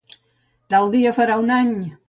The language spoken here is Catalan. Tal dia farà un any!